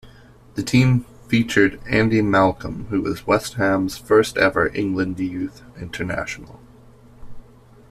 The team featured Andy Malcolm who was West Ham's first ever England Youth International.